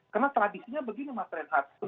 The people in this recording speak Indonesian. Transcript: karena tradisinya begini mas renhard